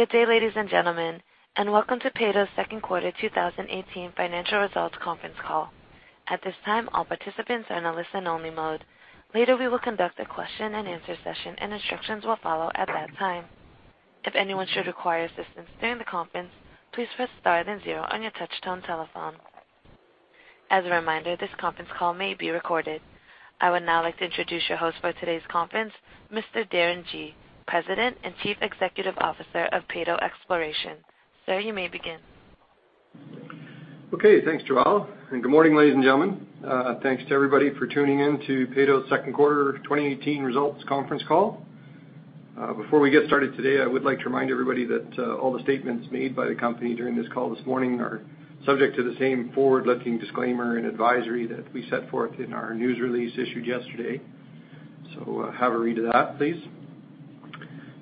Good day, ladies and gentlemen, and welcome to Peyto's second quarter 2018 financial results conference call. At this time, all participants are in a listen only mode. Later, we will conduct a question and answer session, and instructions will follow at that time. If anyone should require assistance during the conference, please press star then zero on your touchtone telephone. As a reminder, this conference call may be recorded. I would now like to introduce your host for today's conference, Mr. Darren Gee, President and Chief Executive Officer of Peyto Exploration. Sir, you may begin. Okay. Thanks, Joelle, and good morning, ladies and gentlemen. Thanks to everybody for tuning in to Peyto's second quarter 2018 results conference call. Before we get started today, I would like to remind everybody that all the statements made by the company during this call this morning are subject to the same forward-looking disclaimer and advisory that we set forth in our news release issued yesterday. Have a read of that, please.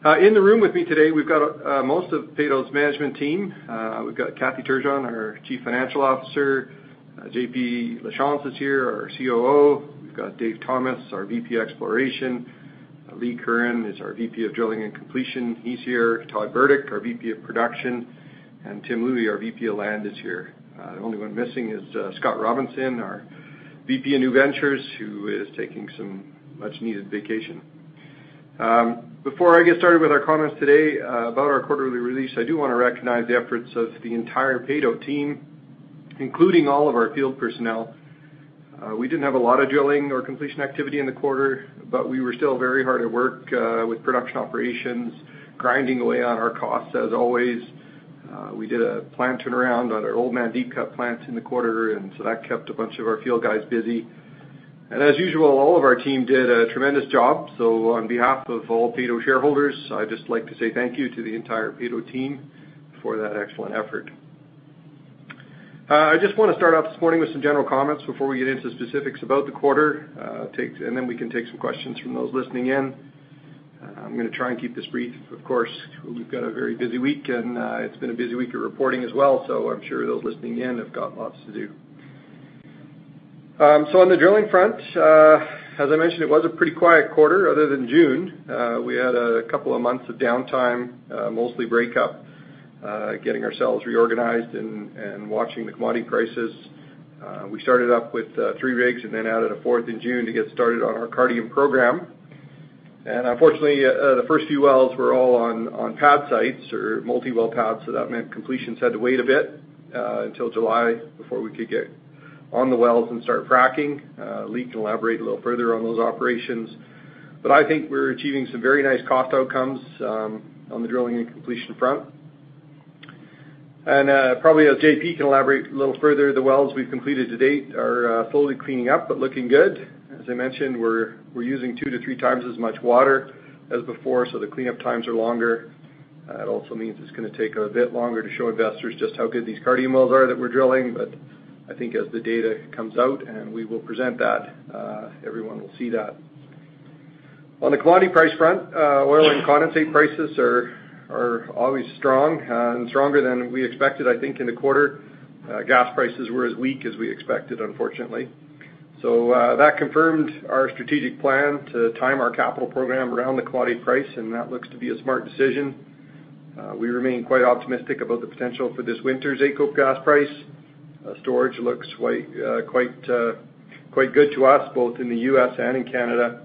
In the room with me today, we've got most of Peyto's management team. We've got Kathy Turgeon, our Chief Financial Officer, JP Lachance is here, our COO. We've got Dave Thomas, our Vice President of Exploration. Lee Curran is our Vice President of Drilling and Completion. He's here. Todd Burdick, our Vice President of Production, and Tim Louie, our Vice President of Land is here. The only one missing is Scott Robinson, our Vice President of New Ventures, who is taking some much needed vacation. Before I get started with our comments today about our quarterly release, I do want to recognize the efforts of the entire Peyto team, including all of our field personnel. We didn't have a lot of drilling or completion activity in the quarter, but we were still very hard at work with production operations, grinding away on our costs as always. We did a plant turnaround on our Oldman deep-cut plants in the quarter, and so that kept a bunch of our field guys busy. As usual, all of our team did a tremendous job. On behalf of all Peyto shareholders, I'd just like to say thank you to the entire Peyto team for that excellent effort. I just want to start off this morning with some general comments before we get into specifics about the quarter and then we can take some questions from those listening in. I'm going to try and keep this brief. Of course, we've got a very busy week, and it's been a busy week of reporting as well, so I'm sure those listening in have got lots to do. On the drilling front, as I mentioned, it was a pretty quiet quarter other than June. We had a couple of months of downtime mostly breakup getting ourselves reorganized and watching the commodity prices. We started up with three rigs and then added a fourth in June to get started on our Cardium program. Unfortunately, the first few wells were all on pad sites or multi-well pads, that meant completions had to wait a bit until July before we could get on the wells and start fracking. Lee Curran can elaborate a little further on those operations, but I think we're achieving some very nice cost outcomes on the drilling and completion front. Probably as J.P. can elaborate a little further, the wells we've completed to date are fully cleaning up but looking good. As I mentioned, we're using two to three times as much water as before, so the cleanup times are longer. That also means it's going to take a bit longer to show investors just how good these Cardium wells are that we're drilling. I think as the data comes out and we will present that everyone will see that. On the commodity price front oil and condensate prices are always strong and stronger than we expected, I think, in the quarter. Gas prices were as weak as we expected, unfortunately. That confirmed our strategic plan to time our capital program around the commodity price, and that looks to be a smart decision. We remain quite optimistic about the potential for this winter's AECO gas price. Storage looks quite good to us both in the U.S. and in Canada.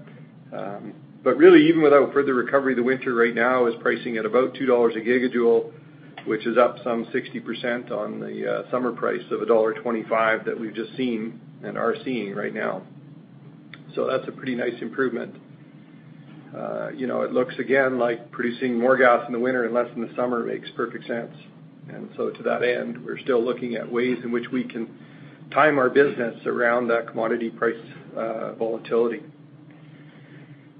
Really even without further recovery, the winter right now is pricing at about 2 dollars a gigajoule, which is up some 60% on the summer price of dollar 1.25 that we've just seen and are seeing right now. That's a pretty nice improvement. It looks again like producing more gas in the winter and less in the summer makes perfect sense. To that end, we're still looking at ways in which we can time our business around that commodity price volatility.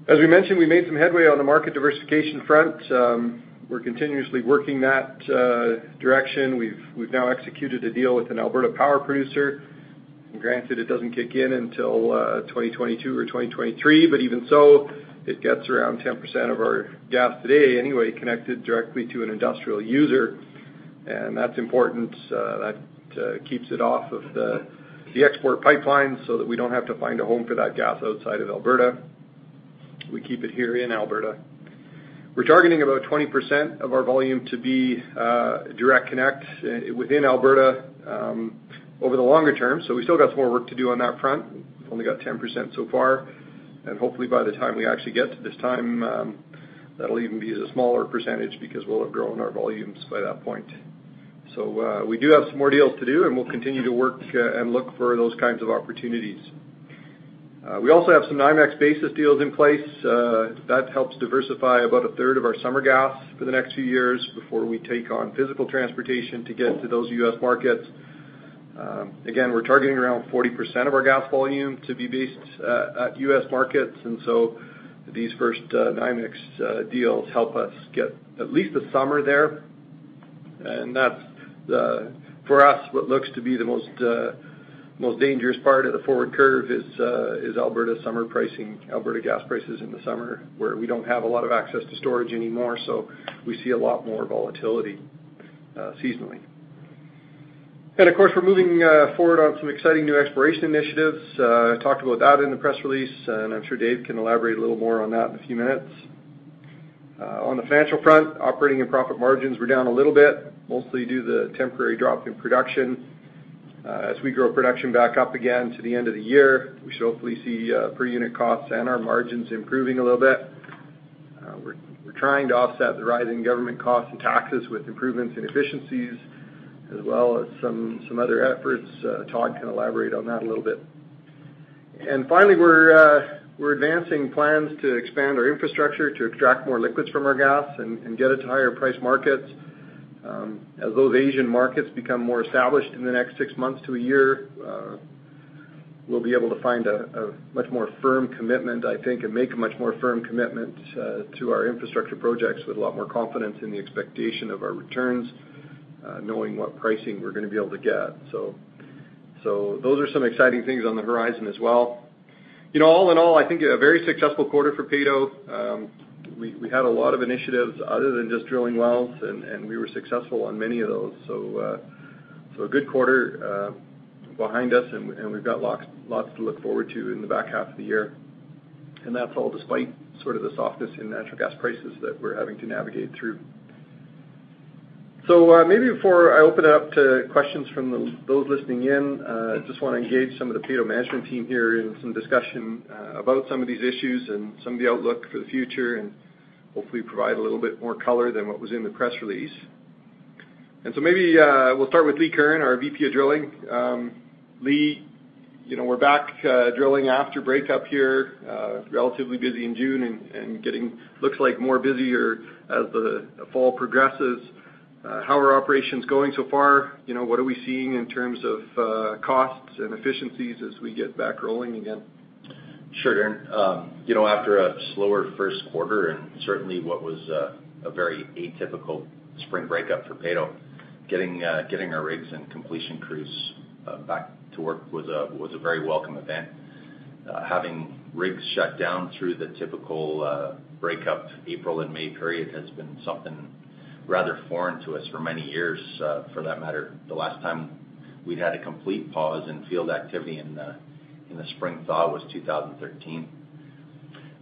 As we mentioned, we made some headway on the market diversification front. We're continuously working that direction. We've now executed a deal with an Alberta power producer. Granted, it doesn't kick in until 2022 or 2023, but even so, it gets around 10% of our gas today anyway, connected directly to an industrial user. That's important. That keeps it off of the export pipeline so that we don't have to find a home for that gas outside of Alberta. We keep it here in Alberta. We're targeting about 20% of our volume to be direct connect within Alberta over the longer term. We still got some more work to do on that front. We've only got 10% so far, and hopefully by the time we actually get to this time that'll even be a smaller percentage because we'll have grown our volumes by that point. We do have some more deals to do, and we'll continue to work and look for those kinds of opportunities. We also have some NYMEX basis deals in place that helps diversify about a third of our summer gas for the next few years before we take on physical transportation to get to those U.S. markets. Again, we're targeting around 40% of our gas volume to be based at U.S. markets, these first NYMEX deals help us get at least the summer there. That's for us, what looks to be the most dangerous part of the forward curve is Alberta summer pricing, Alberta gas prices in the summer, where we don't have a lot of access to storage anymore. We see a lot more volatility seasonally. Of course, we're moving forward on some exciting new exploration initiatives. I talked about that in the press release, and I'm sure David can elaborate a little more on that in a few minutes. On the financial front, operating and profit margins were down a little bit, mostly due to the temporary drop in production. As we grow production back up again to the end of the year, we should hopefully see per unit costs and our margins improving a little bit. We're trying to offset the rising government costs and taxes with improvements in efficiencies as well as some other efforts. Todd can elaborate on that a little bit. Finally, we're advancing plans to expand our infrastructure to extract more liquids from our gas and get it to higher price markets. As those Asian markets become more established in the next six months to a year, we'll be able to find a much more firm commitment, I think, and make a much more firm commitment to our infrastructure projects with a lot more confidence in the expectation of our returns, knowing what pricing we're going to be able to get. Those are some exciting things on the horizon as well. All in all, I think a very successful quarter for Peyto. We had a lot of initiatives other than just drilling wells, and we were successful on many of those. A good quarter behind us, and we've got lots to look forward to in the back half of the year, and that's all despite sort of the softness in natural gas prices that we're having to navigate through. Maybe before I open it up to questions from those listening in, I just want to engage some of the Peyto management team here in some discussion about some of these issues and some of the outlook for the future, and hopefully provide a little bit more color than what was in the press release. Maybe we'll start with Lee Curran, our VP of Drilling. Lee, we're back drilling after breakup here, relatively busy in June and getting, looks like busier as the fall progresses. How are operations going so far? What are we seeing in terms of costs and efficiencies as we get back rolling again? Sure, Darren. After a slower first quarter, and certainly what was a very atypical spring breakup for Peyto, getting our rigs and completion crews back to work was a very welcome event. Having rigs shut down through the typical breakup April and May period has been something rather foreign to us for many years, for that matter. The last time we'd had a complete pause in field activity in the spring thaw was 2013.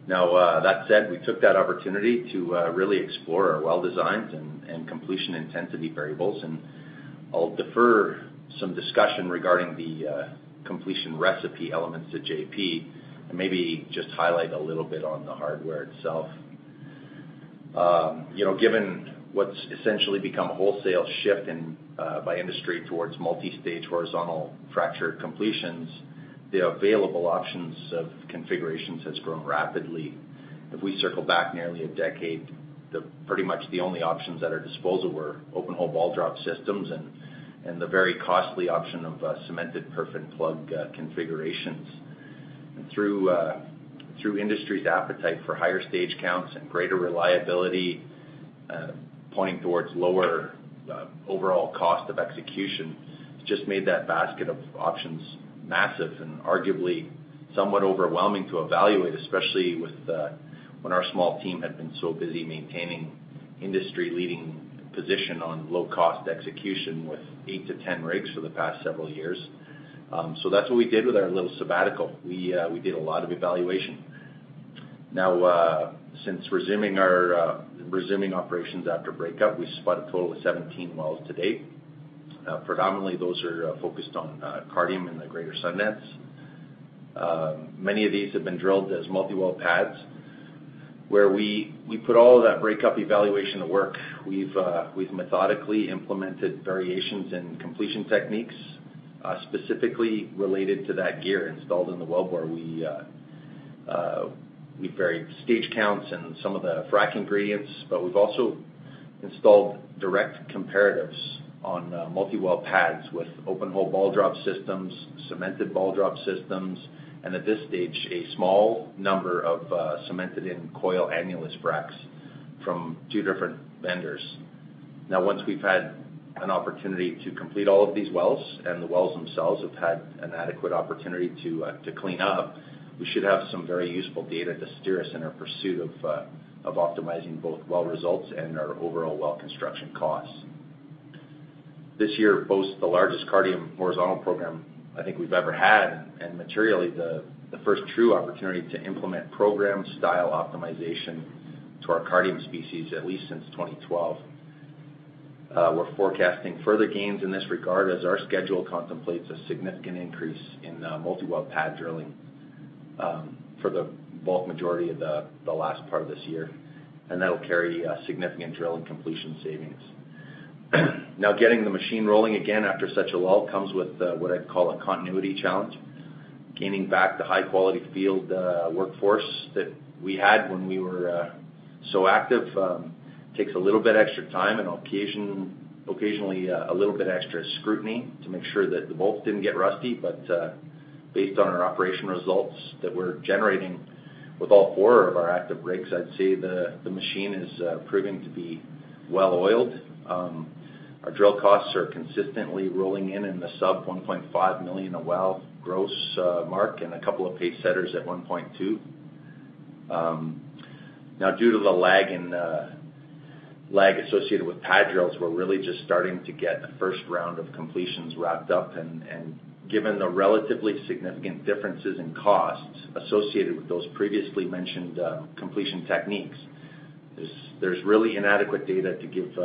That said, we took that opportunity to really explore our well designs and completion intensity variables, and I'll defer some discussion regarding the completion recipe elements to J.P., and maybe just highlight a little bit on the hardware itself. Given what's essentially become a wholesale shift by industry towards multi-stage horizontal fracture completions, the available options of configurations has grown rapidly. If we circle back nearly a decade, pretty much the only options at our disposal were open-hole ball drop systems and the very costly option of cemented perf and plug configurations. Through industry's appetite for higher stage counts and greater reliability, pointing towards lower overall cost of execution, just made that basket of options massive and arguably somewhat overwhelming to evaluate, especially when our small team had been so busy maintaining industry-leading position on low-cost execution with 8 to 10 rigs for the past several years. That's what we did with our little sabbatical. We did a lot of evaluation. Since resuming operations after breakup, we've spudded a total of 17 wells to date. Predominantly, those are focused on Cardium in the Greater Sundance. Many of these have been drilled as multi-well pads where we put all of that breakup evaluation to work. We've methodically implemented variations in completion techniques, specifically related to that gear installed in the wellbore. We varied stage counts and some of the frack ingredients, but we've also installed direct comparatives on multi-well pads with open-hole ball drop systems, cemented ball-drop systems, and at this stage, a small number of cemented in coil annulus fracs from two different vendors. Once we've had an opportunity to complete all of these wells, and the wells themselves have had an adequate opportunity to clean up, we should have some very useful data to steer us in our pursuit of optimizing both well results and our overall well construction costs. This year boasts the largest Cardium horizontal program I think we've ever had, and materially, the first true opportunity to implement program-style optimization to our Cardium species, at least since 2012. We're forecasting further gains in this regard as our schedule contemplates a significant increase in multi-well pad drilling for the bulk majority of the last part of this year, and that'll carry significant drill and completion savings. Getting the machine rolling again after such a lull comes with what I'd call a continuity challenge. Gaining back the high-quality field workforce that we had when we were so active takes a little bit extra time and occasionally a little bit extra scrutiny to make sure that the bolts didn't get rusty. Based on our operation results that we're generating with all four of our active rigs, I'd say the machine is proving to be well-oiled. Our drill costs are consistently rolling in the sub 1.5 million a well gross mark, and a couple of pacesetters at 1.2 million. Due to the lag associated with pad drills, we're really just starting to get the first round of completions wrapped up. Given the relatively significant differences in costs associated with those previously mentioned completion techniques, there's really inadequate data to give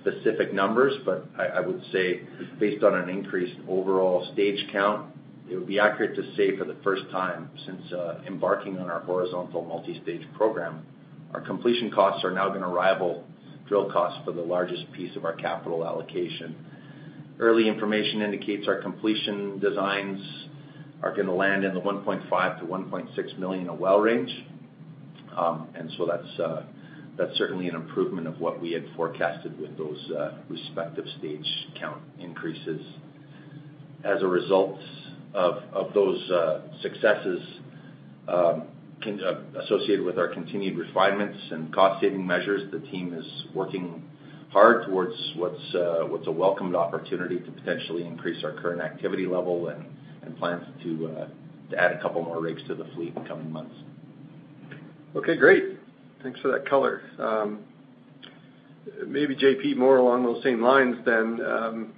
specific numbers. I would say, based on an increased overall stage count, it would be accurate to say for the first time since embarking on our horizontal multi-stage program, our completion costs are now going to rival drill costs for the largest piece of our capital allocation. Early information indicates our completion designs are going to land in the 1.5 million to 1.6 million a well range. That's certainly an improvement of what we had forecasted with those respective stage count increases. As a result of those successes associated with our continued refinements and cost-saving measures, the team is working hard towards what's a welcomed opportunity to potentially increase our current activity level and plans to add a couple more rigs to the fleet in the coming months. Okay, great. Thanks for that color. Maybe JP, more along those same lines then.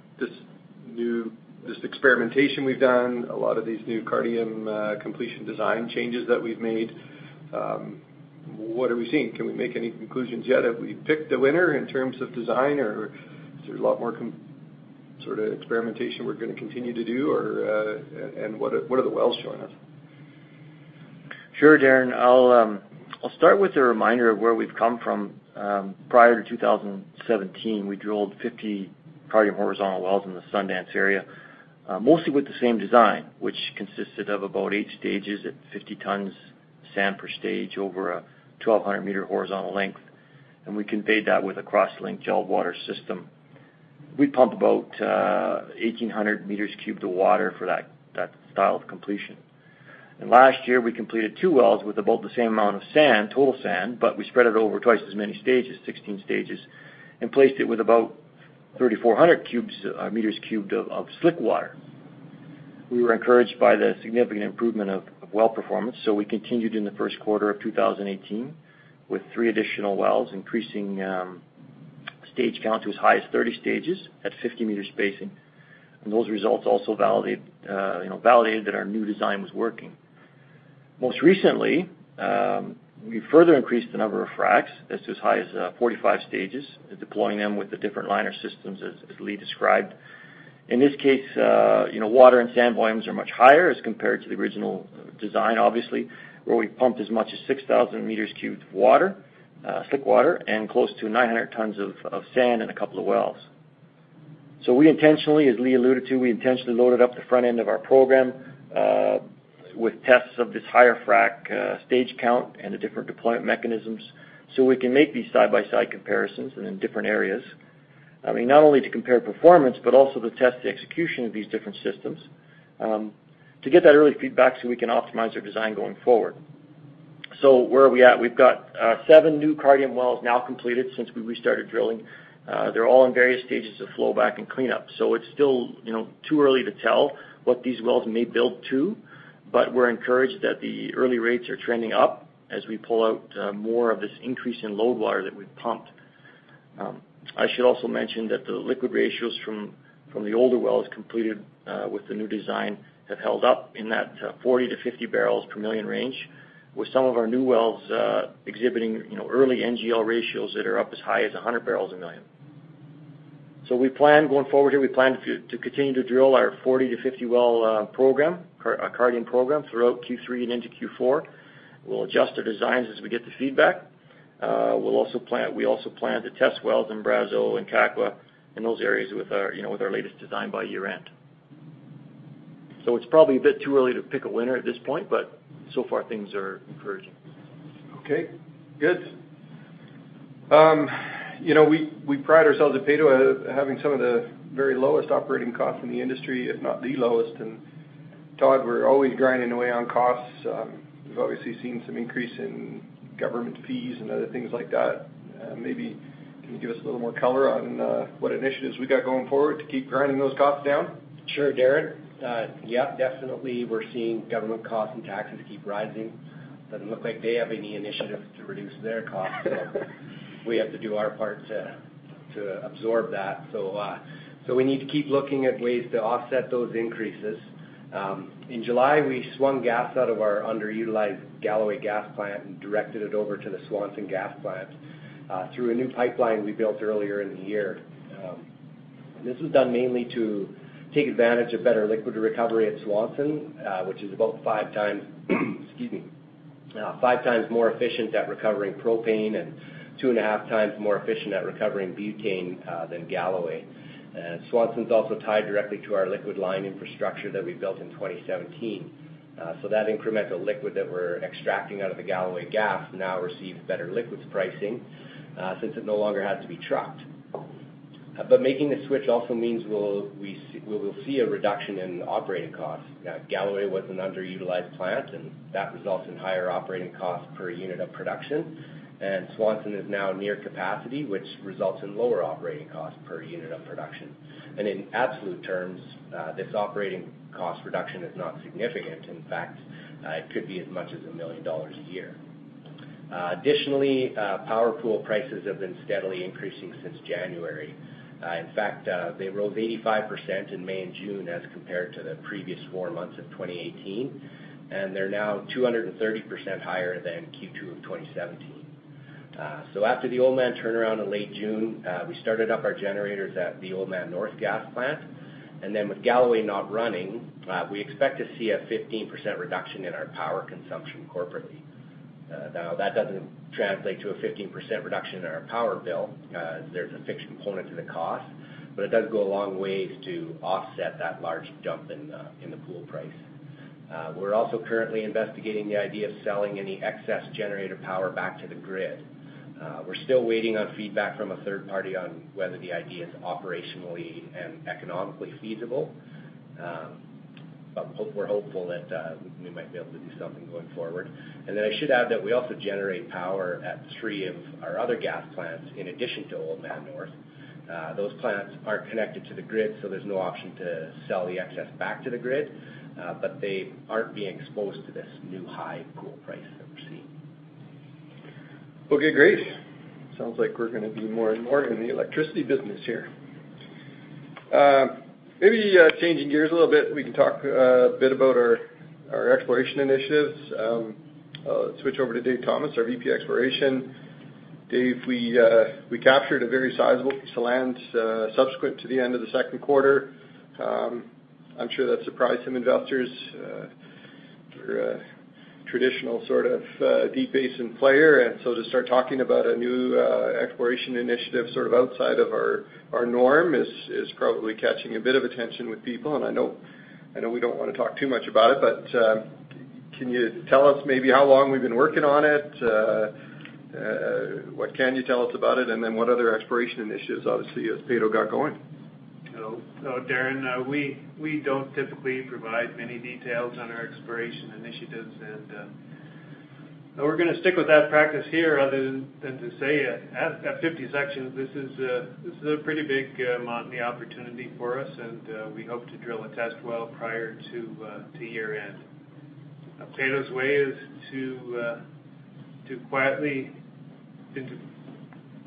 This experimentation we've done, a lot of these new Cardium completion design changes that we've made, what are we seeing? Can we make any conclusions yet? Have we picked a winner in terms of design, or is there a lot more experimentation we're going to continue to do, what are the wells showing us? Sure, Darren. I'll start with a reminder of where we've come from. Prior to 2017, we drilled 50 Cardium horizontal wells in the Sundance area. Mostly with the same design, which consisted of about 8 stages at 50 tons sand per stage over a 1,200-meter horizontal length. We conveyed that with a cross-linked gel water system. We pump about 1,800 meters cubed of water for that style of completion. Last year, we completed two wells with about the same amount of total sand but we spread it over twice as many stages, 16 stages, and placed it with about 3,400 meters cubed of slickwater. We were encouraged by the significant improvement of well performance, so we continued in the first quarter of 2018 with three additional wells, increasing stage count to as high as 30 stages at 50-meter spacing. Those results also validated that our new design was working. Most recently, we further increased the number of fracs. That's as high as 45 stages, deploying them with the different liner systems as Lee Curran described. In this case, water and sand volumes are much higher as compared to the original design, obviously, where we pumped as much as 6,000 meters cubed of slickwater and close to 900 tons of sand in a couple of wells. As Lee Curran alluded to, we intentionally loaded up the front end of our program with tests of this higher frac stage count and the different deployment mechanisms so we can make these side-by-side comparisons and in different areas. Not only to compare performance, but also to test the execution of these different systems to get that early feedback so we can optimize our design going forward. Where are we at? We've got seven new Cardium wells now completed since we restarted drilling. They are all in various stages of flow back and cleanup. It is still too early to tell what these wells may build to, but we are encouraged that the early rates are trending up as we pull out more of this increase in load water that we have pumped. I should also mention that the liquid ratios from the older wells completed with the new design have held up in that 40-50 barrels per million range, with some of our new wells exhibiting early NGL ratios that are up as high as 100 barrels a million. Going forward here, we plan to continue to drill our 40-50 well Cardium program throughout Q3 and into Q4. We will adjust the designs as we get the feedback. We also plan to test wells in Brazeau and Kakwa in those areas with our latest design by year-end. It is probably a bit too early to pick a winner at this point, but so far things are encouraging. Okay, good. We pride ourselves at Peyto at having some of the very lowest operating costs in the industry, if not the lowest. Todd, we are always grinding away on costs. We have obviously seen some increase in government fees and other things like that. Maybe can you give us a little more color on what initiatives we got going forward to keep grinding those costs down? Sure, Darren. Yeah, definitely we are seeing government costs and taxes keep rising. It does not look like they have any initiative to reduce their costs. We have to do our part to absorb that. We need to keep looking at ways to offset those increases. In July, we swung gas out of our underutilized Galloway gas plant and directed it over to the Swanson gas plant through a new pipeline we built earlier in the year. This was done mainly to take advantage of better liquid recovery at Swanson, which is about five times more efficient at recovering propane and two and a half times more efficient at recovering butane than Galloway. Swanson is also tied directly to our liquid line infrastructure that we built in 2017. That incremental liquid that we're extracting out of the Galloway gas now receives better liquids pricing, since it no longer has to be trucked. Making the switch also means we will see a reduction in operating costs. Galloway was an underutilized plant, and that results in higher operating costs per unit of production. Swanson is now near capacity, which results in lower operating costs per unit of production. In absolute terms, this operating cost reduction is not significant. In fact, it could be as much as 1 million dollars a year. Additionally, power pool prices have been steadily increasing since January. In fact, they rose 85% in May and June as compared to the previous four months of 2018. They're now 230% higher than Q2 of 2017. After the Oldman turnaround in late June, we started up our generators at the Oldman North gas plant. With Galloway not running, we expect to see a 15% reduction in our power consumption corporately. That doesn't translate to a 15% reduction in our power bill, as there's a fixed component to the cost. It does go a long way to offset that large jump in the pool price. We're also currently investigating the idea of selling any excess generator power back to the grid. We're still waiting on feedback from a third party on whether the idea is operationally and economically feasible. We're hopeful that we might be able to do something going forward. I should add that we also generate power at three of our other gas plants in addition to Oldman North. Those plants aren't connected to the grid, so there's no option to sell the excess back to the grid. They aren't being exposed to this new high pool price that we're seeing. Okay, great. Sounds like we're going to be more and more in the electricity business here. Maybe changing gears a little bit, we can talk a bit about our exploration initiatives. I'll switch over to David Thomas, our VP, Exploration. Dave, we captured a very sizable piece of land subsequent to the end of the second quarter. I'm sure that surprised some investors. You're a traditional sort of Deep Basin player. To start talking about a new exploration initiative sort of outside of our norm is probably catching a bit of attention with people. I know we don't want to talk too much about it, but can you tell us maybe how long we've been working on it? What can you tell us about it? What other exploration initiatives, obviously, has Peyto got going? Darren, we don't typically provide many details on our exploration initiatives, and we're going to stick with that practice here other than to say at 50 sections, this is a pretty big Montney opportunity for us, and we hope to drill a test well prior to year-end. Peyto's way is to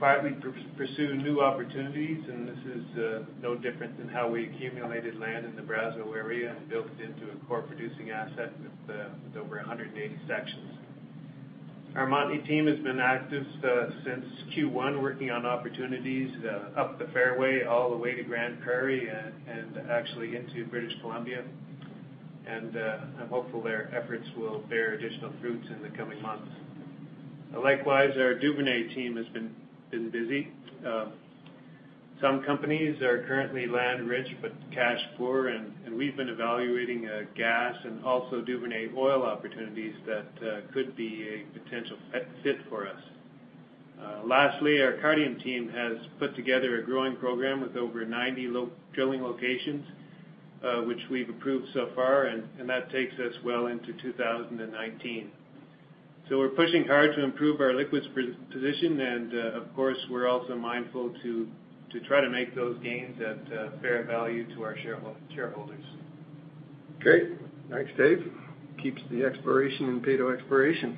quietly pursue new opportunities, and this is no different than how we accumulated land in the Brazeau area and built it into a core producing asset with over 180 sections. Our Montney team has been active since Q1 working on opportunities up the fairway all the way to Grande Prairie and actually into British Columbia. I'm hopeful their efforts will bear additional fruits in the coming months. Likewise, our Duvernay team has been busy. Some companies are currently land rich but cash poor, we've been evaluating gas and also Duvernay oil opportunities that could be a potential fit for us. Lastly, our Cardium team has put together a growing program with over 90 drilling locations which we've approved so far, and that takes us well into 2019. We're pushing hard to improve our liquids position, of course, we're also mindful to try to make those gains at fair value to our shareholders. Great. Thanks, Dave. Keeps the exploration in Peyto Exploration.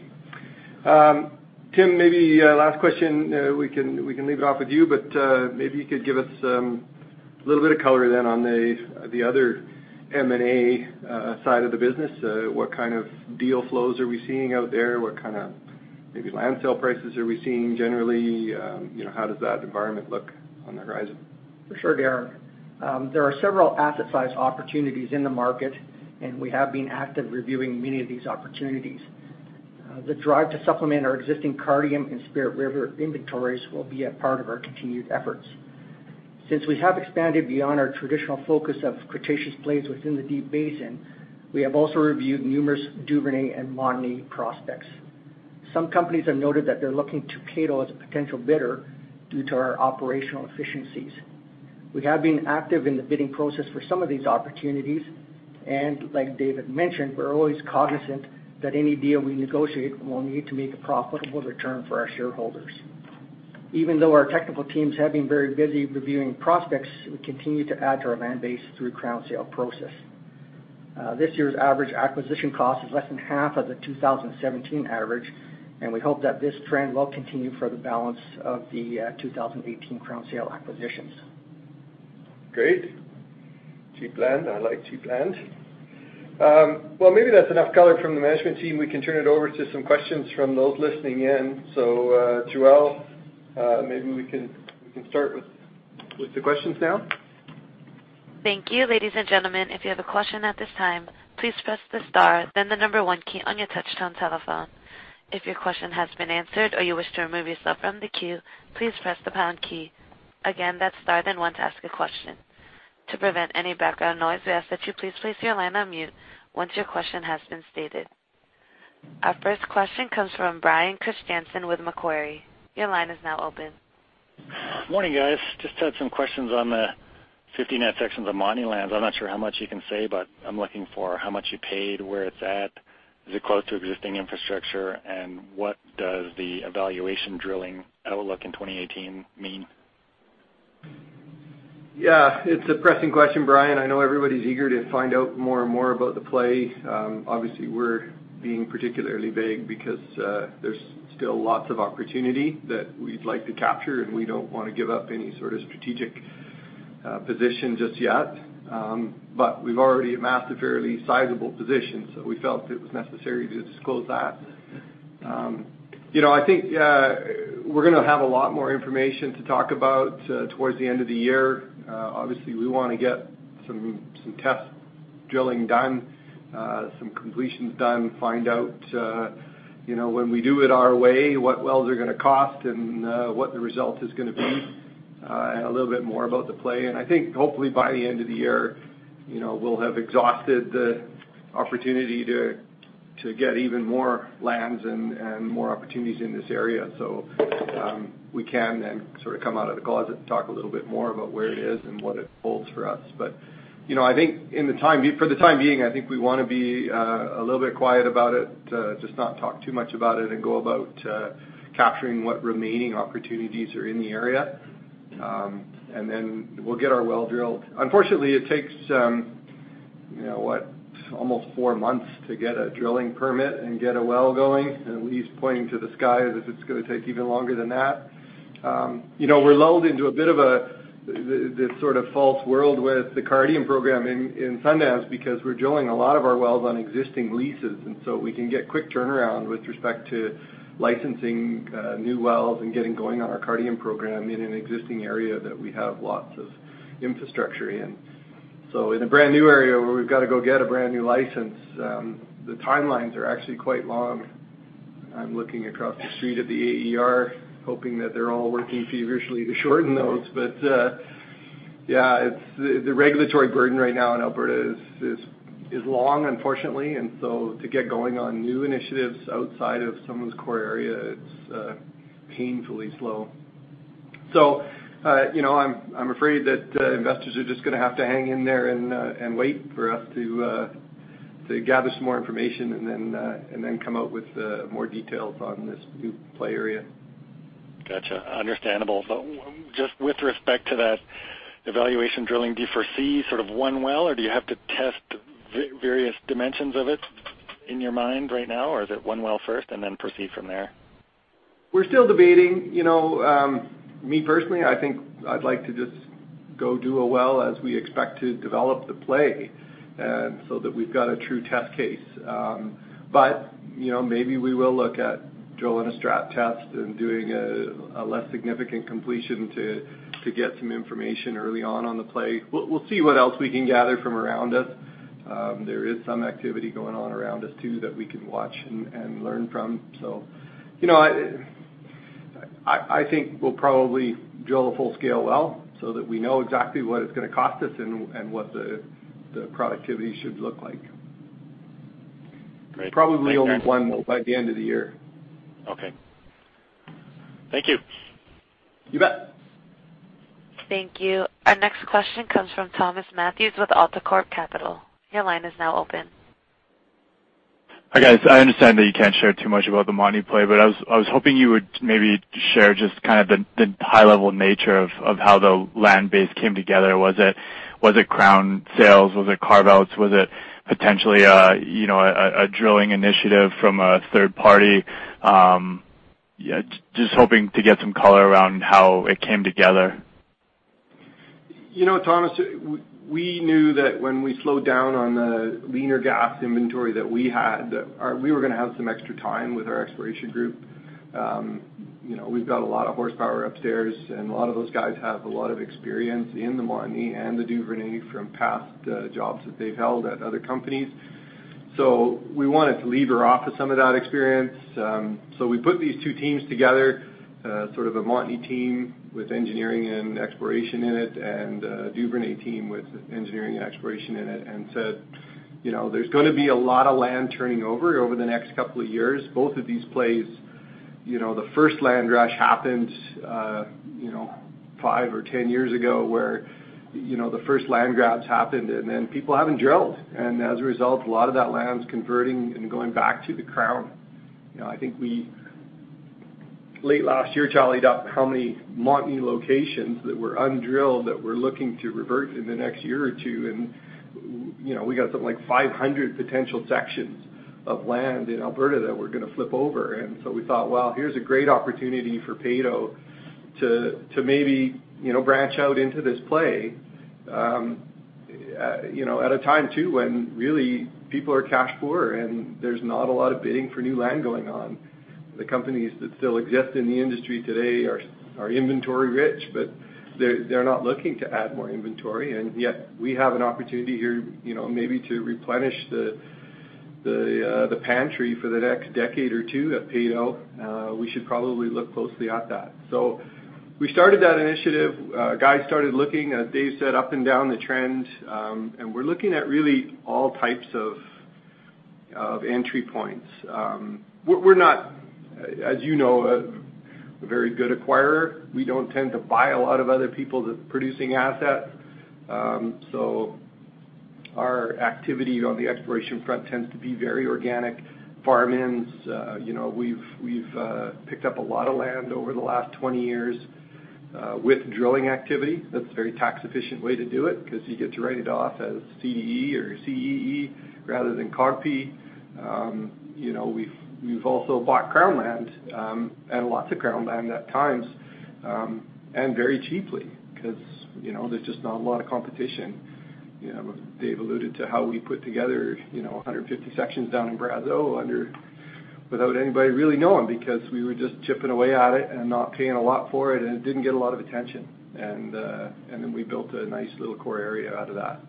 Tim, maybe last question. We can leave it off with you, but maybe you could give us a little bit of color then on the other M&A side of the business. What kind of deal flows are we seeing out there? What kind of maybe land sale prices are we seeing generally? How does that environment look on the horizon? For sure, Darren. There are several asset-size opportunities in the market, we have been active reviewing many of these opportunities. The drive to supplement our existing Cardium and Spirit River inventories will be a part of our continued efforts. Since we have expanded beyond our traditional focus of Cretaceous plays within the Deep Basin, we have also reviewed numerous Duvernay and Montney prospects. Some companies have noted that they're looking to Peyto as a potential bidder due to our operational efficiencies. We have been active in the bidding process for some of these opportunities, like David mentioned, we're always cognizant that any deal we negotiate will need to make a profitable return for our shareholders. Even though our technical teams have been very busy reviewing prospects, we continue to add to our land base through crown sale process. This year's average acquisition cost is less than half of the 2017 average. We hope that this trend will continue for the balance of the 2018 crown sale acquisitions. Great. Cheap land. I like cheap land. Well, maybe that's enough color from the management team. We can turn it over to some questions from those listening in. Joelle, maybe we can start with the questions now. Thank you, ladies and gentlemen. If you have a question at this time, please press the star, then the number 1 key on your touchtone telephone. If your question has been answered or you wish to remove yourself from the queue, please press the pound key. Again, that's star then 1 to ask a question. To prevent any background noise, we ask that you please place your line on mute once your question has been stated. Our first question comes from Brian Kristjansen with Macquarie. Your line is now open. Morning, guys. Just had some questions on the 50 net sections of Montney lands. I'm not sure how much you can say. I'm looking for how much you paid, where it's at. Is it close to existing infrastructure? What does the evaluation drilling outlook in 2018 mean? Yeah, it's a pressing question, Brian. I know everybody's eager to find out more and more about the play. Obviously, we're being particularly vague because there's still lots of opportunity that we'd like to capture, and we don't want to give up any sort of strategic position just yet. We've already amassed a fairly sizable position, so we felt it was necessary to disclose that. I think we're going to have a lot more information to talk about towards the end of the year. Obviously, we want to get some test drilling done, some completions done, find out when we do it our way, what wells are going to cost and what the result is going to be, and a little bit more about the play. I think hopefully by the end of the year, we'll have exhausted the opportunity to get even more lands and more opportunities in this area. We can then sort of come out of the closet and talk a little bit more about where it is and what it holds for us. I think for the time being, I think we want to be a little bit quiet about it, just not talk too much about it and go about capturing what remaining opportunities are in the area. Then we'll get our well drilled. Unfortunately, it takes almost four months to get a drilling permit and get a well going, and at least pointing to the sky that it's going to take even longer than that. We're lulled into a bit of this sort of false world with the Cardium program in Sundance, because we're drilling a lot of our wells on existing leases, and so we can get quick turnaround with respect to licensing new wells and getting going on our Cardium program in an existing area that we have lots of infrastructure in. In a brand-new area where we've got to go get a brand-new license, the timelines are actually quite long. I'm looking across the street at the AER, hoping that they're all working feverishly to shorten those. Yeah. The regulatory burden right now in Alberta is long, unfortunately. To get going on new initiatives outside of someone's core area, it's painfully slow. I'm afraid that investors are just going to have to hang in there and wait for us to gather some more information and then come out with more details on this new play area. Got you. Understandable. Just with respect to that evaluation drilling, do you foresee sort of one well, or do you have to test various dimensions of it in your mind right now? Or is it one well first and then proceed from there? We're still debating. Me personally, I think I'd like to just go do a well as we expect to develop the play, so that we've got a true test case. Maybe we will look at drilling a strap test and doing a less significant completion to get some information early on on the play. We'll see what else we can gather from around us. There is some activity going on around us, too, that we can watch and learn from. I think we'll probably drill a full-scale well so that we know exactly what it's going to cost us and what the productivity should look like. Great. Probably only one by the end of the year. Okay. Thank you. You bet. Thank you. Our next question comes from Thomas Matthews with AltaCorp Capital. Your line is now open. Hi, guys. I understand that you can't share too much about the Montney play. I was hoping you would maybe share just the high-level nature of how the land base came together. Was it crown sales? Was it carve-outs? Was it potentially a drilling initiative from a third party? Just hoping to get some color around how it came together. Thomas, we knew that when we slowed down on the leaner gas inventory that we had, we were going to have some extra time with our exploration group. We've got a lot of horsepower upstairs, and a lot of those guys have a lot of experience in the Montney and the Duvernay from past jobs that they've held at other companies. We wanted to lever off of some of that experience. We put these two teams together, sort of a Montney team with engineering and exploration in it, and a Duvernay team with engineering and exploration in it and said, "There's going to be a lot of land turning over the next couple of years." Both of these plays, the first land rush happened five or 10 years ago, where the first land grabs happened, and then people haven't drilled. As a result, a lot of that land is converting and going back to the crown. I think we, late last year, tallied up how many Montney locations that were undrilled that we're looking to revert in the next year or two, and we got something like 500 potential sections of land in Alberta that we're going to flip over. We thought, "Well, here's a great opportunity for Peyto to maybe branch out into this play at a time too when really people are cash poor and there's not a lot of bidding for new land going on." The companies that still exist in the industry today are inventory rich, but they're not looking to add more inventory, yet we have an opportunity here maybe to replenish the pantry for the next decade or two at Peyto. We should probably look closely at that. We started that initiative. Guys started looking at data set up and down the trend. We're looking at really all types of entry points. We're not, as you know, a very good acquirer. We don't tend to buy a lot of other people's producing assets. Our activity on the exploration front tends to be very organic. Farm-ins, we've picked up a lot of land over the last 20 years with drilling activity. That's a very tax-efficient way to do it because you get to write it off as CDE or CEE rather than COGPE. We've also bought crown land, and lots of crown land at times, and very cheaply, because there's just not a lot of competition. Dave alluded to how we put together 150 sections down in Brazeau without anybody really knowing, because we were just chipping away at it and not paying a lot for it, and it didn't get a lot of attention. Then we built a nice little core area out of that.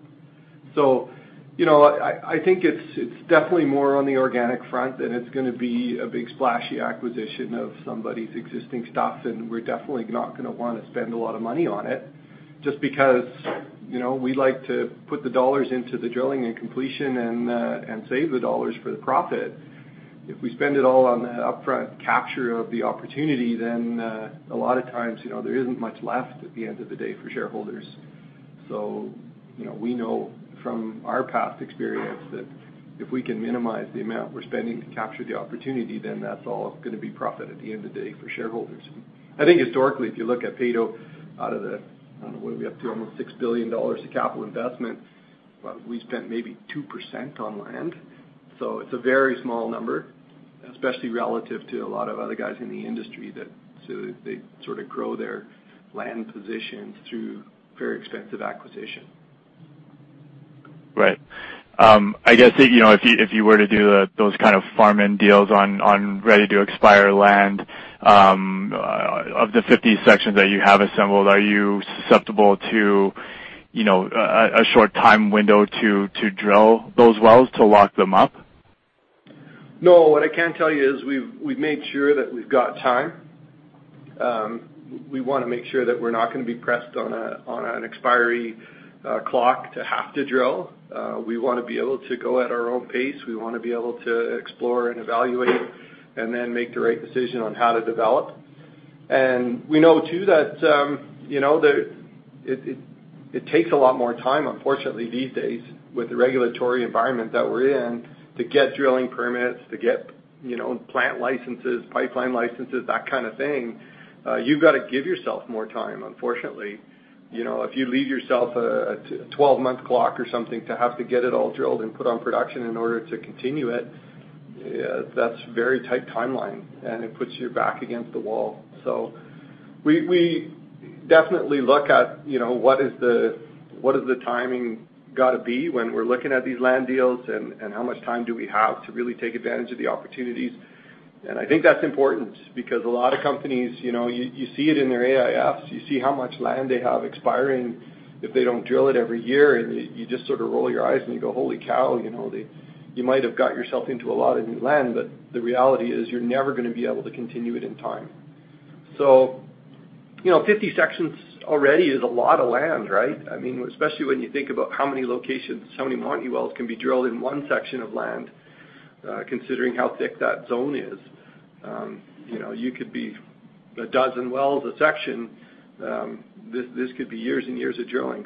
I think it's definitely more on the organic front than it's going to be a big splashy acquisition of somebody's existing stocks, and we're definitely not going to want to spend a lot of money on it. Just because, we like to put the dollars into the drilling and completion and save the dollars for the profit. If we spend it all on the upfront capture of the opportunity, then a lot of times, there isn't much left at the end of the day for shareholders. We know from our past experience that if we can minimize the amount we're spending to capture the opportunity, then that's all going to be profit at the end of the day for shareholders. I think historically, if you look at Peyto out of the, I don't know, what are we up to, almost 6 billion dollars of capital investment, but we spent maybe 2% on land. It's a very small number, especially relative to a lot of other guys in the industry that they sort of grow their land positions through very expensive acquisition. Right. I guess, if you were to do those kind of farm-in deals on ready-to-expire land, of the 50 sections that you have assembled, are you susceptible to a short time window to drill those wells to lock them up? No. What I can tell is we've made sure that we've got time. We want to make sure that we're not going to be pressed on an expiry clock to have to drill. We want to be able to go at our own pace. We want to be able to explore and evaluate and then make the right decision on how to develop. We know, too, that it takes a lot more time, unfortunately, these days with the regulatory environment that we're in to get drilling permits, to get plant licenses, pipeline licenses, that kind of thing. You've got to give yourself more time, unfortunately. If you leave yourself a 12-month clock or something to have to get it all drilled and put on production in order to continue it, that's a very tight timeline, and it puts your back against the wall. We definitely look at what has the timing got to be when we're looking at these land deals, and how much time do we have to really take advantage of the opportunities. I think that's important because a lot of companies, you see it in their AIFs, you see how much land they have expiring if they don't drill it every year, and you just sort of roll your eyes, and you go, "Holy cow." You might have got yourself into a lot of new land, but the reality is you're never going to be able to continue it in time. 50 sections already is a lot of land, right? Especially when you think about how many locations, how many Montney wells can be drilled in one section of land, considering how thick that zone is. You could be a dozen wells a section. This could be years and years of drilling.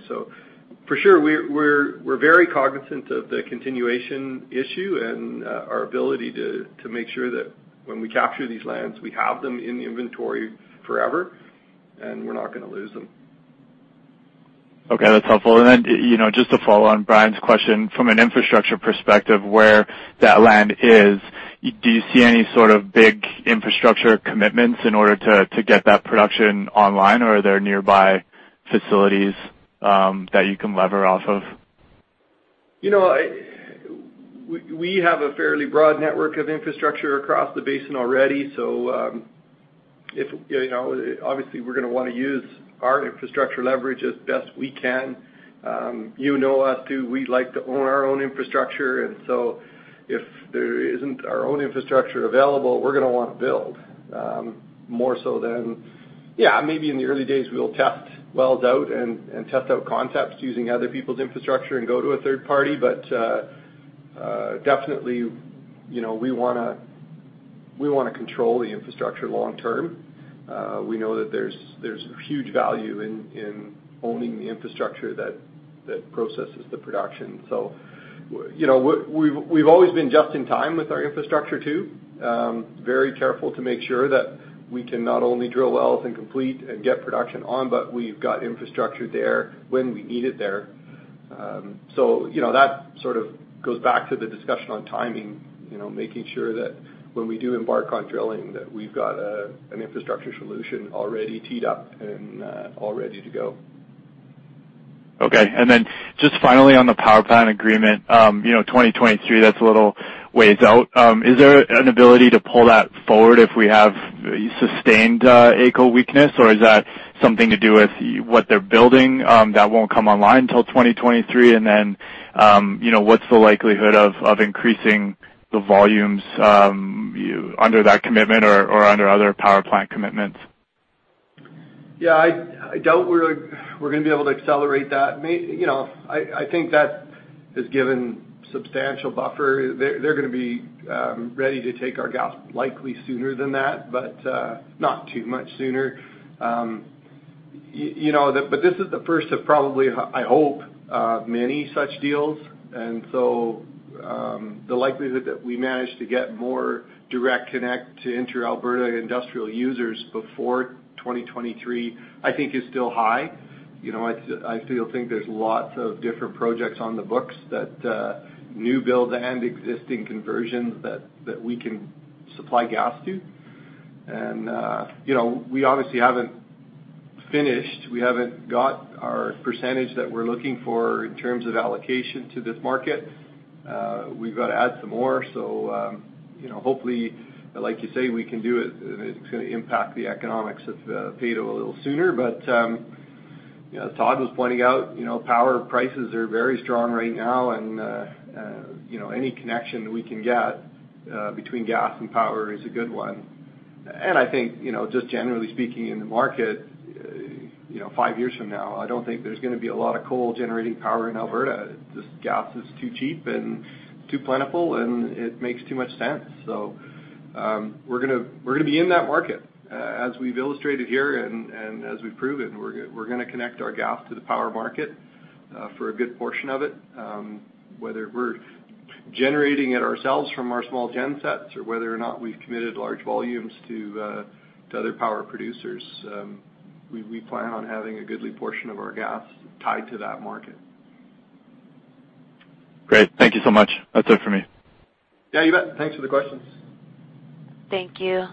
For sure, we're very cognizant of the continuation issue and our ability to make sure that when we capture these lands, we have them in the inventory forever, and we're not going to lose them. Okay. That's helpful. Just to follow on Brian's question, from an infrastructure perspective, where that land is, do you see any sort of big infrastructure commitments in order to get that production online, or are there nearby facilities that you can lever off of? We have a fairly broad network of infrastructure across the basin already. Obviously, we're going to want to use our infrastructure leverage as best we can. You know us too. We like to own our own infrastructure, if there isn't our own infrastructure available, we're going to want to build. More so than, yeah, maybe in the early days, we'll test wells out and test out concepts using other people's infrastructure and go to a third party. Definitely, we want to control the infrastructure long term. We know that there's huge value in owning the infrastructure that processes the production. We've always been just in time with our infrastructure, too. Very careful to make sure that we can not only drill wells and complete and get production on, but we've got infrastructure there when we need it there. That sort of goes back to the discussion on timing, making sure that when we do embark on drilling, that we've got an infrastructure solution already teed up and all ready to go. Okay. Just finally on the power plant agreement, 2023, that's a little ways out. Is there an ability to pull that forward if we have sustained AECO weakness, or is that something to do with what they're building that won't come online until 2023? What's the likelihood of increasing the volumes under that commitment or under other power plant commitments? Yeah. I doubt we're going to be able to accelerate that. I think that has given substantial buffer. They're going to be ready to take our gas likely sooner than that, but not too much sooner. This is the first of probably, I hope, many such deals. The likelihood that we manage to get more direct connect to inter-Alberta industrial users before 2023, I think is still high. I still think there's lots of different projects on the books, that new build and existing conversions that we can supply gas to. We obviously haven't finished, we haven't got our percentage that we're looking for in terms of allocation to this market. We've got to add some more. Hopefully, like you say, we can do it, and it's going to impact the economics of Peyto a little sooner. As Todd was pointing out, power prices are very strong right now, and any connection we can get between gas and power is a good one. I think, just generally speaking in the market, five years from now, I don't think there's going to be a lot of coal-generating power in Alberta. Just gas is too cheap and too plentiful, and it makes too much sense. We're going to be in that market, as we've illustrated here and as we've proven. We're going to connect our gas to the power market for a good portion of it. Whether we're generating it ourselves from our small gen sets or whether or not we've committed large volumes to other power producers, we plan on having a goodly portion of our gas tied to that market. Great. Thank you so much. That's it for me. Yeah, you bet. Thanks for the questions. Thank you.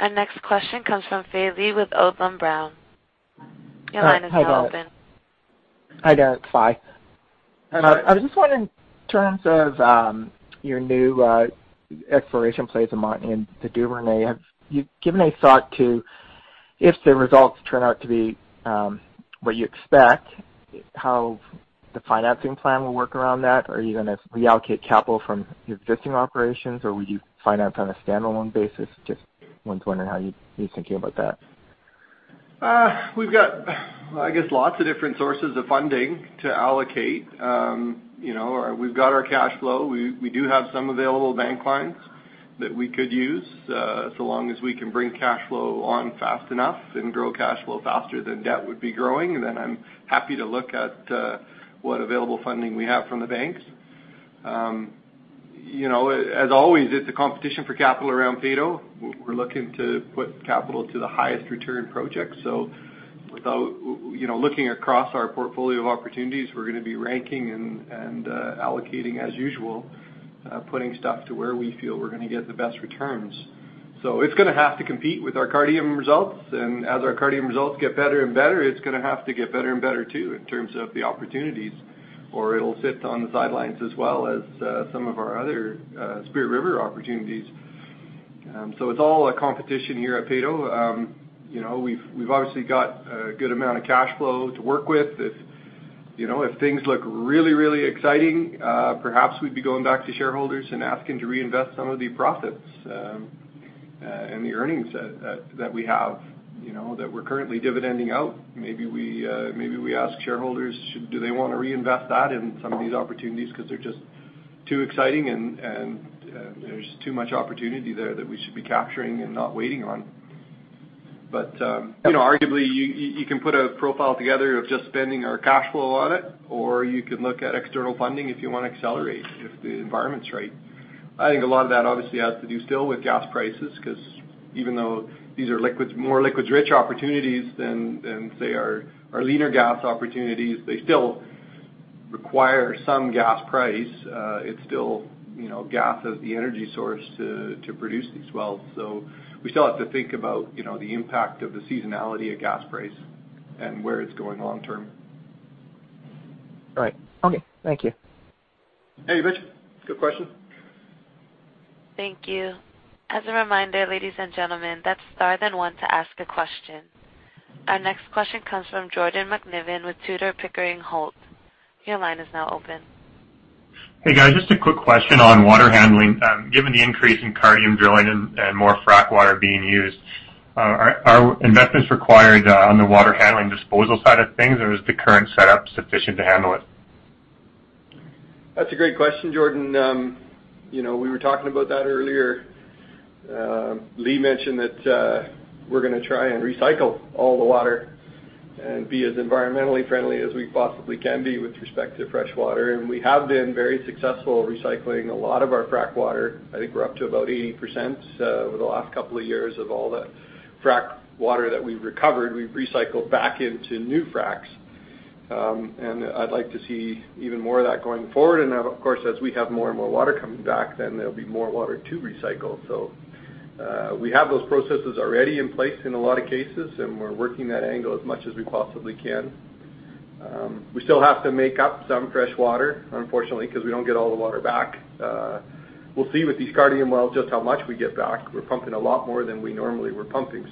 Our next question comes from Fai Lee with Odlum Brown. Your line is open. Hi, Darren. Fai. Hi. I was just wondering in terms of your new exploration plays in the Duvernay, have you given a thought to if the results turn out to be what you expect, how the financing plan will work around that? Are you going to reallocate capital from your existing operations, or will you finance on a standalone basis? Just was wondering how you're thinking about that. We've got lots of different sources of funding to allocate. We've got our cash flow. We do have some available bank lines that we could use, so long as we can bring cash flow on fast enough and grow cash flow faster than debt would be growing, then I'm happy to look at what available funding we have from the banks. As always, it's a competition for capital around Peyto. We're looking to put capital to the highest return projects. Without looking across our portfolio of opportunities, we're going to be ranking and allocating as usual, putting stuff to where we feel we're going to get the best returns. It's going to have to compete with our Cardium results, and as our Cardium results get better and better, it's going to have to get better and better too, in terms of the opportunities. It'll sit on the sidelines as well as some of our other Spirit River opportunities. It's all a competition here at Peyto. We've obviously got a good amount of cash flow to work with. If things look really exciting, perhaps we'd be going back to shareholders and asking to reinvest some of the profits and the earnings that we have, that we're currently dividending out. Maybe we ask shareholders, do they want to reinvest that in some of these opportunities, because they're just too exciting and there's too much opportunity there that we should be capturing and not waiting on. Arguably, you can put a profile together of just spending our cash flow on it, or you can look at external funding if you want to accelerate if the environment's right. I think a lot of that obviously has to do still with gas prices, because even though these are more liquids-rich opportunities than, say, our leaner gas opportunities, they still require some gas price. It's still gas as the energy source to produce these wells. We still have to think about the impact of the seasonality of gas price and where it's going long term. Right. Okay. Thank you. Yeah, you betcha. Good question. Thank you. As a reminder, ladies and gentlemen, that's star then 1 to ask a question. Our next question comes from Jordan McNiven with Tudor, Pickering, Holt & Co. Your line is now open. Hey, guys, just a quick question on water handling. Given the increase in Cardium drilling and more frac water being used, are investments required on the water handling disposal side of things, or is the current setup sufficient to handle it? That's a great question, Jordan. We were talking about that earlier. Lee mentioned that we're going to try and recycle all the water and be as environmentally friendly as we possibly can be with respect to fresh water. We have been very successful recycling a lot of our frac water. I think we're up to about 80% over the last couple of years of all the frac water that we've recovered, we've recycled back into new fracs. I'd like to see even more of that going forward. Now, of course, as we have more and more water coming back, there'll be more water to recycle. We have those processes already in place in a lot of cases, and we're working that angle as much as we possibly can. We still have to make up some fresh water, unfortunately, because we don't get all the water back. We'll see with these Cardium wells just how much we get back. We're pumping a lot more than we normally were pumping.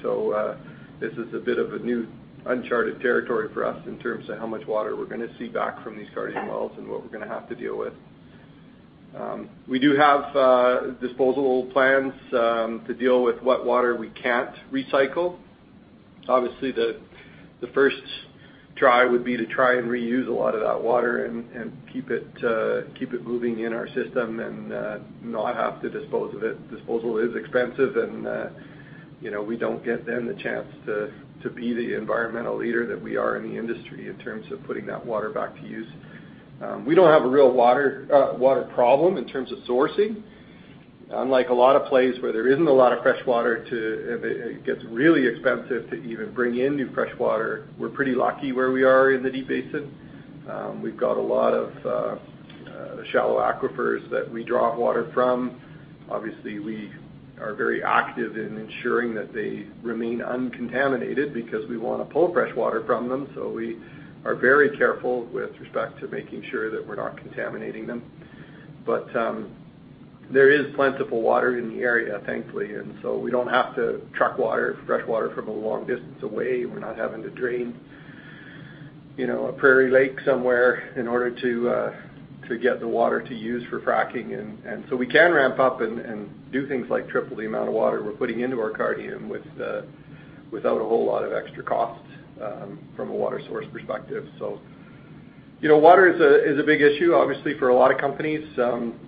This is a bit of a new uncharted territory for us in terms of how much water we're going to see back from these Cardium wells and what we're going to have to deal with. We do have disposal plans to deal with what water we can't recycle. Obviously, the first try would be to try and reuse a lot of that water and keep it moving in our system and not have to dispose of it. Disposal is expensive, we don't get then the chance to be the environmental leader that we are in the industry in terms of putting that water back to use. We don't have a real water problem in terms of sourcing. Unlike a lot of places where there isn't a lot of fresh water, it gets really expensive to even bring in new fresh water. We're pretty lucky where we are in the Deep Basin. We've got a lot of the shallow aquifers that we draw water from. Obviously, we are very active in ensuring that they remain uncontaminated because we want to pull fresh water from them. We are very careful with respect to making sure that we're not contaminating them. There is plentiful water in the area, thankfully, we don't have to truck fresh water from a long distance away. We're not having to drain a prairie lake somewhere in order to get the water to use for fracking. We can ramp up and do things like triple the amount of water we're putting into our Cardium without a whole lot of extra cost from a water source perspective. Water is a big issue, obviously, for a lot of companies,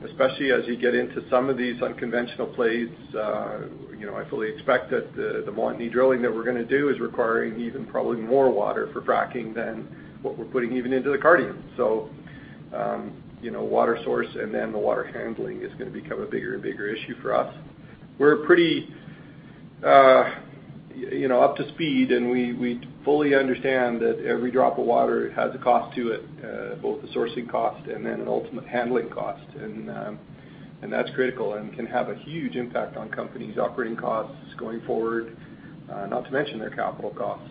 especially as you get into some of these unconventional plays. I fully expect that the Montney drilling that we're going to do is requiring even probably more water for fracking than what we're putting even into the Cardium. Water source and then the water handling is going to become a bigger and bigger issue for us. We're pretty up to speed, and we fully understand that every drop of water has a cost to it, both the sourcing cost and then an ultimate handling cost. That's critical and can have a huge impact on companies' operating costs going forward, not to mention their capital costs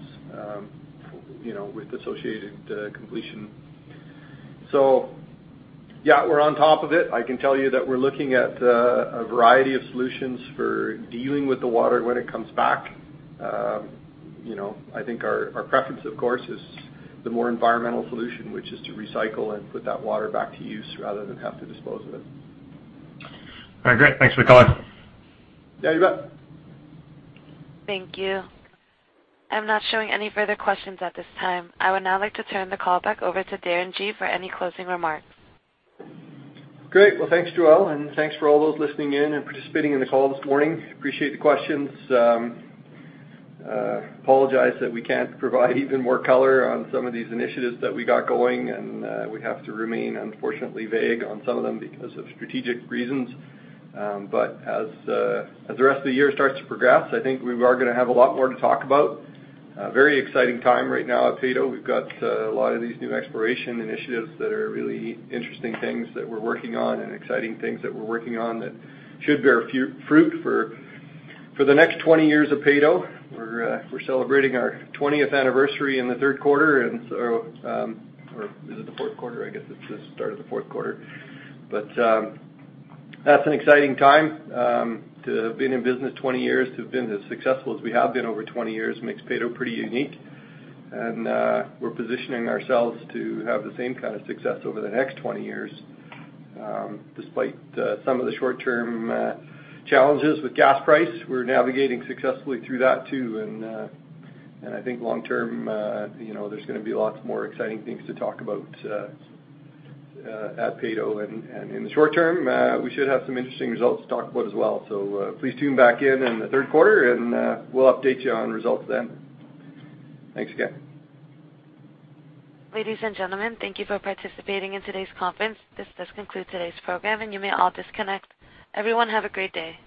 with associated completion. Yeah, we're on top of it. I can tell you that we're looking at a variety of solutions for dealing with the water when it comes back. I think our preference, of course, is the more environmental solution, which is to recycle and put that water back to use rather than have to dispose of it. All right, great. Thanks for the call. Yeah, you bet. Thank you. I am not showing any further questions at this time. I would now like to turn the call back over to Darren Gee for any closing remarks. Great. Well, thanks, Joelle, and thanks for all those listening in and participating in the call this morning. Appreciate the questions. Apologize that we can't provide even more color on some of these initiatives that we got going, and we have to remain, unfortunately, vague on some of them because of strategic reasons. As the rest of the year starts to progress, I think we are going to have a lot more to talk about. A very exciting time right now at Peyto. We've got a lot of these new exploration initiatives that are really interesting things that we're working on and exciting things that we're working on that should bear fruit for the next 20 years of Peyto. We're celebrating our 20th anniversary in the third quarter, or is it the fourth quarter? I guess it's the start of the fourth quarter. That's an exciting time. To have been in business 20 years, to have been as successful as we have been over 20 years makes Peyto pretty unique, and we're positioning ourselves to have the same kind of success over the next 20 years. Despite some of the short-term challenges with gas price, we're navigating successfully through that, too. I think long term there's going to be lots more exciting things to talk about at Peyto. In the short term, we should have some interesting results to talk about as well. Please tune back in in the third quarter, and we'll update you on results then. Thanks again. Ladies and gentlemen, thank you for participating in today's conference. This does conclude today's program, and you may all disconnect. Everyone have a great day.